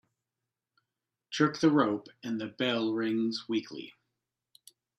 Jerk the rope and the bell rings weakly.